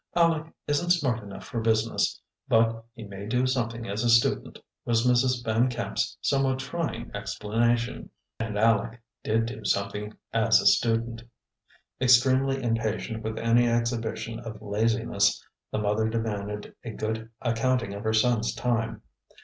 "Aleck isn't smart enough for business, but he may do something as a student," was Mrs. Van Camp's somewhat trying explanation; and Aleck did do something as a student. Extremely impatient with any exhibition of laziness, the mother demanded a good accounting of her son's time.